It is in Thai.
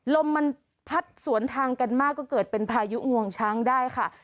ลมมันพัดสวนทางกันมากก็เกิดเป็นพายุงวงช้างได้ค่ะ